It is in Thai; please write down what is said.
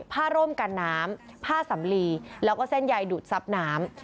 ร่มกันน้ำผ้าสำลีแล้วก็เส้นใยดูดซับน้ำ